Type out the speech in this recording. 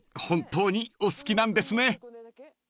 本当にお好きなんですね］